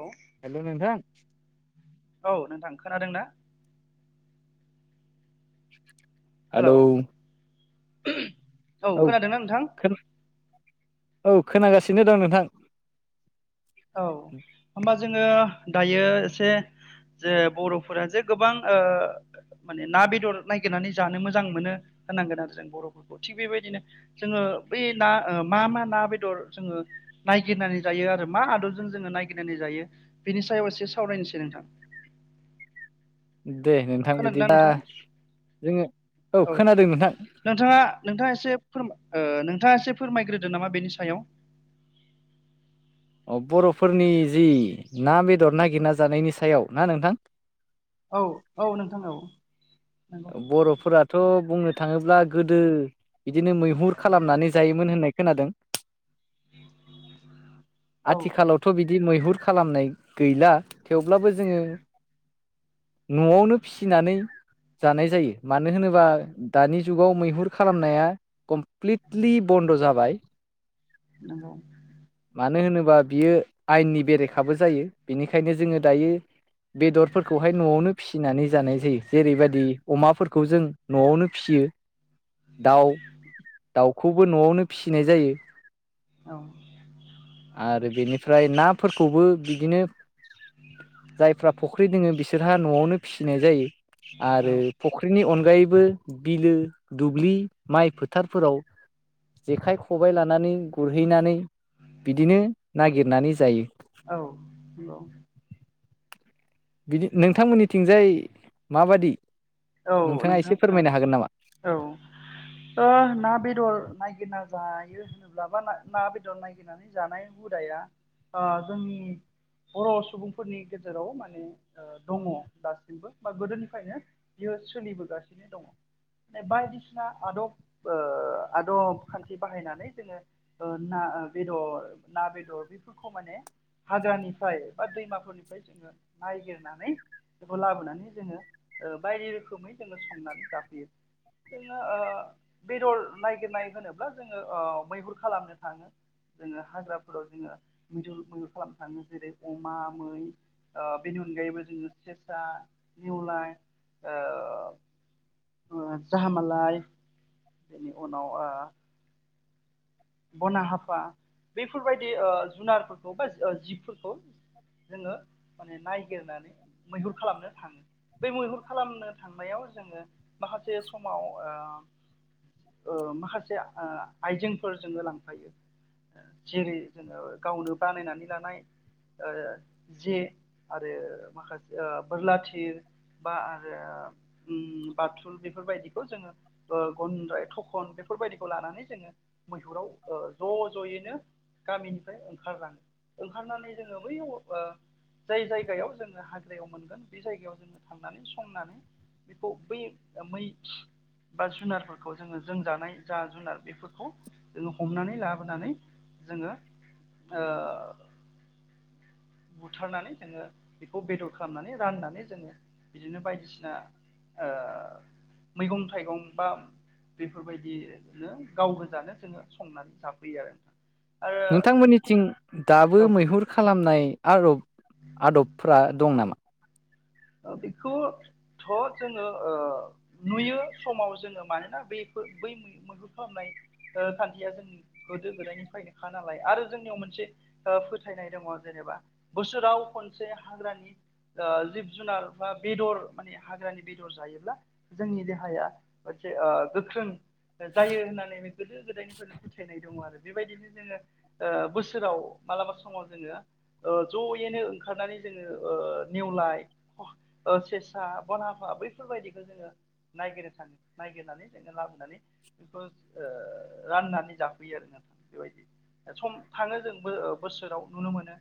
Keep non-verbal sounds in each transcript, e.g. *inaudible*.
औ हेलौ नोंथां औ नोंथां खोनादों ना? हेलौ औ खोनादोंना नोंथां? खोना औ खोनागासिनो दं नोंथां। औ होमबा जोङो दायो एसे जे बरफोरा जे गोबां ओ माने ना बेदर नायागिरनानै जानो मोजां मोनो होननांगोन आरो जों बरफोरखौ थिग बेबायदिनो जोङो बै ना ओ मा मा ना बेदर जोङो नायगिरनानै जायो आरो मा आदबजों जोङो नायागिरनानै जायो बेनि सायाव एसे सावरायनोसै नोंथां। दे नोंथां खोनादोंना बिदिबा नोंथाङा जोङो औ खोनादों नोंथां। नोंथाङा नोंथाङा एसे फोर ओ नोंथाङा एसे फोरमायग्रोदो नामा बेनि सायाव। अ बरफोरनि जि ना बेदर नागिरना जानायनि सायाव ना नोंथां औ औ नोंथां औ नंगौ बरफोराथ बुंनो थाङोब्ला गोदो बिदिनो मैहुर खालामनानै जायोमोन होननाय खोनादों। औ आथिखालावथ' बिदि मैहुर खालामनाय गैला थेवब्लाबो जोङो नआवनो फिसिनानै जानाय जायो मानो होनोबा दानि जुगाव मैहुर खालामनाया फ्लेदलि बन्द' जाबाय नंगौ मानो होनो बा बियो आयेननि बेरेखाबो जायो बेनिखायनो जोङो दायो बेदरफोरखौहाय नआवनो फिसिनानै जानाय जायो जेरैबादि अमाफोरखौ जों नआवनो फिसियो। दाउ दाउखौबो नआवनो फिसिनाय जायो‌। औ औ आरो बेनिफ्राय नाफोरखौबो बिदिनो जायफ्रा फुख्रि दोङो बिसोरहा नआवनो फिसिनाय जायो आरो नि अनगायैबो बिलो दुब्लि माइ फोथारफोराव जेखाइ खबाय लानानै गुरहैनानै बिदिनो नागिरनानै जायो। औ नंगौ बिदि नोंथांमोननिथिंजाय माबादि औ नोंथाङा नोंथां एसे फोरमायनो हागोन नामा ओ औ ओ ना बेदर नायगिरना जायो होनोब्ला बा ना बेदर नायगिरनानै जानाय हुदाया अ जोंनि बर सुबुंफोरनि गेजेराव माने ओ दङ दासिमबो बा गोदोनिफ्रायनो बियो सोलिबोगासिनो दङ। बायदिसिना आदब ओ आदब खान्थि बाहायनानै जोङो ओ ना ओ बेदर ना बेदर बेफोरखौ माने हाग्रानिफ्राय बा दैमाफोरनिफ्राय जोङो नायगिरनानै बेखौ लाबोनानै जोङो ओ बायदि रोखोमै जोङो संनानै जाफैयो जोङो ओ बेदर नगिरनाय होनोब्ला जोङो ओ मैहुर खालामनो थाङो जोङो हाग्राफोराव जोङो मैदुर मैहुर खालामनो थाङो जेरै अमा मै ओ बेनि अनगायैबो जोङो सेसा निवलाय ओ ओ जाहामालाय बेनि उनाव बना हाफा बैफोरबायदि ओ जुनारफोरखौ बा जिफोरखौ जोङो माने नायगिरनानै मैहुर खालामनो थाङो बेै मैहुर खालामनो थांनायाव जोङो माखासे समाव ओ माखासे आइजें फोर जोङो लांफायो जेरै जोङो गावनो बानायनानै लानाय ओ जे आरो माखासे बोरला थिर बा आरो बाथुल बेफोरबायदिखौ जोङो ओ गन्द्राय थखन बे बेफोरबायदिखौ लानानै जोङो मैहुराव ओ ज' ज'यैनो गामिनिफ्राय ओंखारलाङो ओंखारनानै जोङो बै ओ जाय जायगायाव जोङो हाग्रायाव मोनगोन बे जायगायाव जोङो थांनानै संनानै बेखौ बै मै बा जुनारफोरखौ जोङो जों जानाय जा जुनार बे खौ जोङो हमनानै लाबोनानै जोङो ओ बुथारनानै जोङो बेखौ बेदर खालामनानै राननानै जोङो बिदिनो बायदिसिना ओ मैगं थाइगं बा बेफोरबायदिनो गाव गोजानो जोङो संनानै जाफैयो आरो नोंथांमोननिथिं दाबो औ मैहुर खालामनाय आरब आदबफ्रा दं नामा बेखौथ जोङो ओ नुयो समाव जोङो मानोना बे बै मैहुय खालामनाय ओ थांखिया जों गोदो गोदायनिफ्रायनोखा नालाय आरो जोंनियाव मोनसे ओ फोथायनाय दङ जेरैब बोसोराव खनसे हाग्रानि ओ जि जुनार बा बेदर माने हाग्रानि बेदर जायोब्ला जोंनि देहाया मोनसे ओ गोख्रों जायो होननानै गोदो गोदायनिफ्रायनो फोथायनाय दङ आरो बेबायदिनो जोङो ओ बोसोराव मालाबा समाव जोङो ओ ज'यैनो ओंखारनानै जोङो ओ नेवलाय ओ सेसा बनाफा बैफोरबायदिखौ जोङो नायगिरनो थांडो नायगिरनानै जोङो लाबोनानै बेखौ ओ राननानै जाफैयो आरो ना बेबायदि सम थाङो जोंबो बोसोराव नुनो मोनो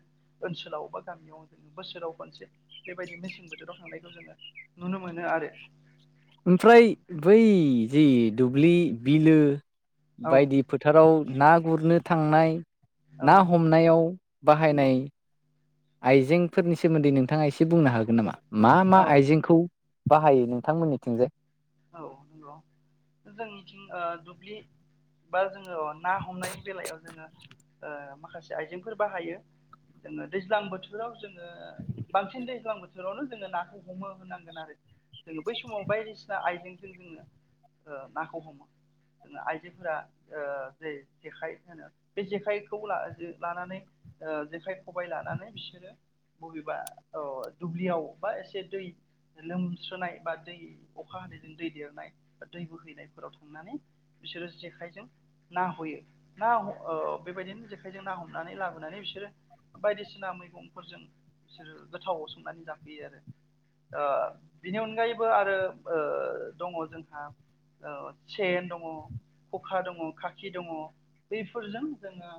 ओनसोलाव बा गामियाव जोङो बोसोराव खनसे बेबायदि मसे नुनो मोनो आरो ओमफ्राय बै जि दुब्लि बिलो औ बायदि फोथाराव ना गुरनो थांनाय औ ना हमनायाव नंगौ बाहायनाय आइजेंफोरनि सोमोन्दै नोंथाङा एसे बुंनो हागोन नामा मा मा औ आइजेंखौ बाहायो नोंथांमोननिथिंजाय औ नंगौ जोंनिथिं ओ दुब्लि बा जोङो ना हमनायनि बेलायाव जोङो ओ माखासे आइजेंफोर बाहायो जोङो दैज्लां बोथोराव जोङो बांसिन दैज्लां बोथोरावनो जोङो नाखौ हमो होनांगोन आरो जोङो बै समाव बायदिसिना आइजेंजों जोङो ओ नाखौ हमो आइजोफोरा ओ जेखाय जेखाइ होनो बे जेखाइखौ लानानै ओ जेखाय खबबाय लानानै बिसोरो बबेबा अ दुब्लियाव बा एसे दै लोमसुनाय बा दै अखा हानायैजों दै देरनाय ब दै बोहैनायफोराव थांनानै बिसोरो जेखाइजों। ना हयो ना ओ बेबायदिनो जेखाइजों ना हमनानै लाबोनानै बिसोरो बायदिसिना मैगंफोरजों बिसोरो गोथावाव संनानै जाफैयो आरो। ओ बिनि अनगायैबो आरो ओ दङ जोंहा। औ सेेन दङ खखा दङ खाखि दङ बैफोरजों जोङो।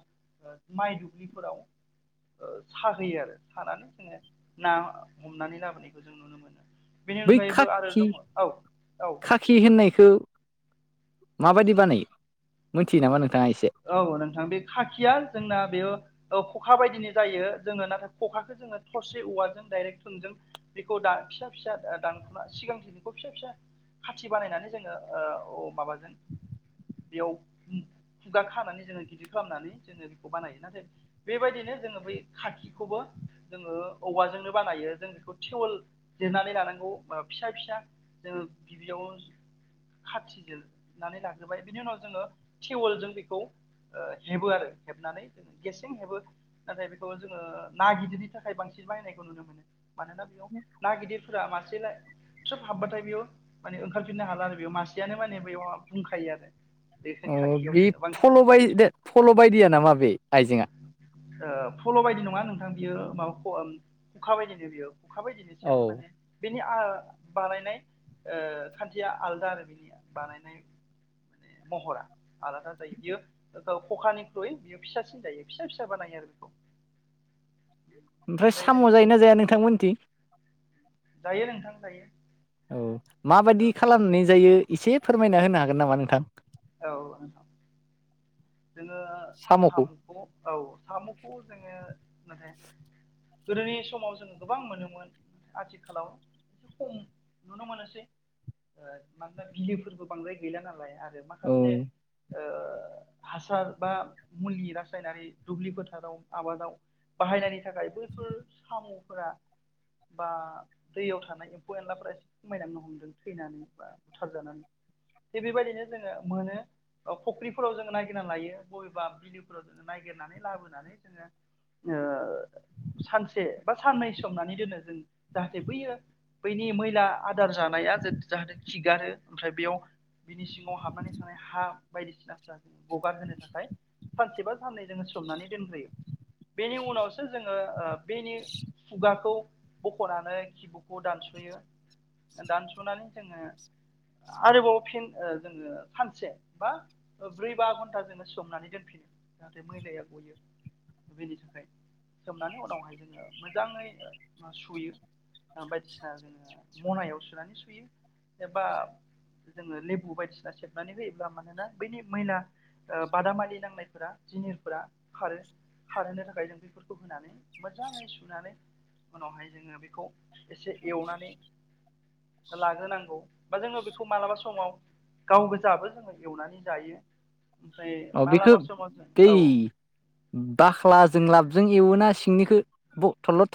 माइ दुब्लिफोराव साहोयो आरो सानानै जोङो ना हमनानै लाबोनायखौ जों नुनो मोनो। बेनि बै अनगायैबो आरो खाखि दङ औ औ खाखि होननायखौ माबायदि बानायो। मोनथियो नामा नोंथाङा एसे औ नोंथां बे खाखिया जोंना बेयाव। खखा बायदिनो जायो जोङो नाथाय खखाखौ जोङो थरसे औवाजों दडाइरेक्ट थोंजों बेखौ दा। फिसा फिसा दानख'ना सिगां दिखौ फिसा फिसा। खाथि बानायनानै जोङो माबाजों बेयाव। खुगा खानानै जोङो गिदिर खालामनानै जोङो बेखौ बानायो नाथाय बेबायदिनो जोङो बै खाखिखौबो। जोङो औवाजोंनो बानायो जों बेखौ थिवल दिरनानै लानांगौ फिसा फिसा। जोङो गिबियाव खाथिजनानै लाज्रोबाय बेनि उनाव जोङो। टिवलजों बेखौ। हेबो आरो हेबनानै जोङ गेसें हेबो नाथाय बेखौ जोङो ना गिदिरनि थाखाय बांसिन। बाहायनायखौ नुनो मोनो मानोना बेयाव ना गिदिरफोरा मासे सोब हाबबाथाय बेयाव। माने ओंखारफिननो हाला आरो बेयाव मासेयानो माने बेयाव बुंखायो आरो। बे अ खाखियाव बे जोङो बांसिन फल' बाय दे समाव फल' बायदिया नामा बे आइजेंआ। फल' बायदि नङा नोंथां बियो। मा खुखा बायदिनो बेयो खुखा बायदिनोसिम औ माने। बिनि बानायनाय खान्थिया आलदा आरो बिनि बानायनाय। *inaudible* महरा आलादा जायो बियो खखानिख्रुयै बियो फिसासिन जायो फिसा फिसा बानायो आरो बेखौ। ए। ओमफ्राय साम' जायोना जाया नोंथांमोनथि। जायो नोंथां जायो। औ माबायदि औ खालामनानै जायो एसे फोरमायना होनो हागोन नामा नोंथां। औ औ। जोङो साम'खौ औ साम'खौ जोङो मे। गोदोनि समाव जोङ गोबां मोनोमोन आथिखालाव। से खम नुनो मोननोसै मानोना बिलोफोरबो बांद्राय गैला नालाय आरो। औ माखासे ओ। हासार बा मुलिनि रासायनारि दुब्लि फोथाराव आबादाव। बाहायनायनि थाखाय बैफोर साम'फोरा। बा दैयाव थानाय एम्फौ एनलाफोरा एसे खमायनांनो हमदों थैनानै बा बुथार जानानै। थिग बेबायदिनो जोङो मोनो। फुख्रिफोराव जोङो नागिरना लायो बबेबा बिलोफोराव जोङो ननायगिरनानै लाबोनानै जोङो। सानसे बा साननै सोमनानै दोनो जों जाहाथे बैयो। बैनि मैला आदार जानाया जाहाथे खिगारो ओमफ्राय बेयाव बिनि सिङाव हाबनानै। हा बायदिसिना फि गगार होनो थाखाय सानसेबा। सानै जोङो सोमनानै दोनग्रोयो बेनि उनावसो जोङो बेनि खुगाखौ। बख'नानै खिबुखौ दानस'यो। दानस'नानै जोङो आरोबाव फिन जोङो। सानसे बा ब्रै बा घन्टा जोंनो सोमनानै दोनफिनो जाहाथे मैलाया गयो। बेनि थाखाय सोमनानै उनावहाय जोङो मोजाङै सुयो। बायदिसिना जो मनायाव सुनानै एबा जोङो लेबु बायदिसिना सेबनानै होयोब्ला मानोना बैनि मैना। बादामालि नांनायफोरा जिनिरफोरा खारो खारहोनो थाखाय जों बेफोरखौ होनानै मोजाङै सुनानै उनावहाय जोङो बेखौ एसे एवनानै लाग्रोनांगौ बा जोङो बेखौ मालाबा समाव गाव गोजाबो जोङो एवनानै जायो। ओमफ्राय अ बेखौ मालाबा समाव जों बै औ बाख्लाजों लाब‌ जों एवना सिंनिखौ थलद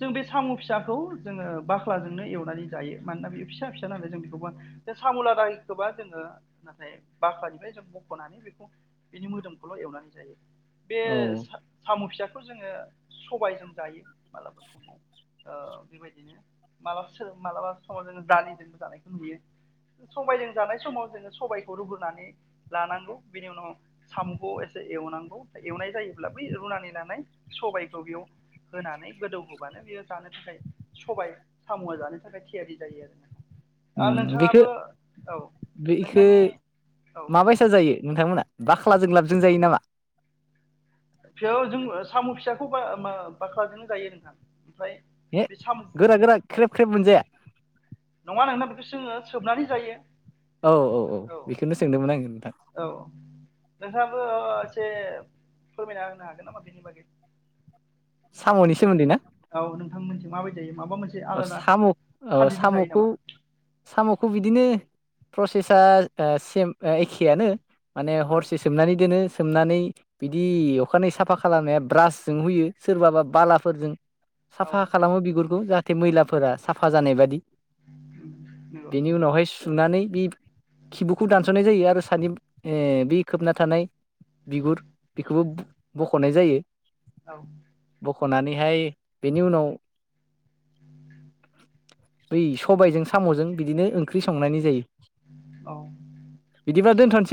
जों बे साम' फिसाखौ जोङो बाख्लाजोंनो एवनानै जायो मानोना बे फिसा फिसा नालाय जों बेखौबो सामुला दायखौबा जोङो नाथाय बाख्लानिफ्राय बख'नानै बेखौ बिनि मोदोमखौल' एवनानै जायो बे औ साम' फिसाखौ जोङो सबायजों जायो मालाबा समाव अ बेबायदिनो माबा मालाबा समाव जोङो दालिजोंबो जानायखौ नुयो सबायजों जानाय समाव जोङो सबायखौ रुगोरनानै लानांगौ बेनि उनाव साम'खौ एसे एवनांगौ एवनाय जायोब्ला बै रुनानि लानाय सबायखौ बेयाव होनानै गोदौहोबानो बेयो जानो थाखाय सबाय साम' जानो थाखाय थियारि जायो आरो नोंथां आरो ओम बेखौ नोंथाङाबो औ बेखौ नोंथांनि औ बुंलाय माबायसा जायो नोंथांमोना बाख्लाजों लाबजों जायो नामा फिय जोंङो साम' फिसाखौ बा मा बाख्लाजों जायों नोंथां ओमफ्राय हे बे साम' गोरा गोरा ख्रेब ख्रेब मोनजाया नङा नोंना बिदिसोङो सोबनानै जायो औ औ औ बेखौनो सोंदोंमोन आङो नोंथां औ नोंहाबो एसे फोरमायना होनो हागोन नामा बेनि बागै साम'नि सोमोन्दै ना आं मोनसे माबायदिजायो अ साम' अ जायो साम'खौ नामा साम' खौ बिदिनो प्रसेसा अ सेम एखेयानो माने औ हरसे सोमनानै दोनो सोमनानै बिदि अखानायै साफा खालामनाया ब्रासजों होयो सोरबाबा बालाफोरजों औ साफा खालामो बिगुरखौ जाहाथे मैलाफोरा साफा जानाय बादि नंगौ बेनि उनावहाय सुनानै बे खिबुखौ दानस'नाय जायो आरो सानै ए बे खोबना थानाय बिगुर बेखौबो बख'नाय जायो औ ख'नानैहाय बेनि उनाव बै सबायजों साम'जों बिदिनो ओंख्रि संनानै जायो बिदिबा दोनथ'सै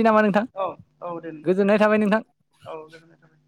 औ औ दोन अदे नोंथां औ गोजोननाय थाबाय